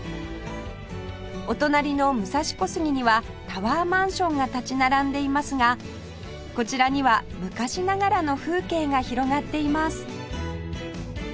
お隣の武蔵小杉にはタワーマンションが立ち並んでいますがこちらには昔ながらの風景が広がっています